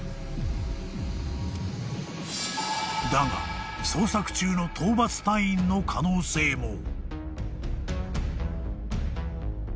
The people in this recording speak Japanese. ［だが捜索中の討伐隊員の可能性も］